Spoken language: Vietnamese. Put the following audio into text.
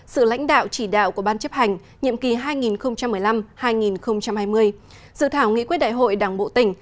sự lãnh đạo chỉ đạo của ban chấp hành nhiệm kỳ hai nghìn một mươi năm hai nghìn hai mươi dự thảo nghị quyết đại hội đảng bộ tỉnh